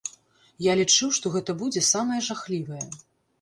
Я лічыў, што гэта будзе самае жахлівае.